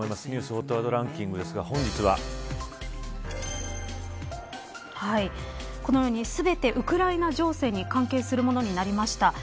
ニュースＨＯＴワードランキングですが本日はこのように全てウクライナ情勢に関係するものになりました。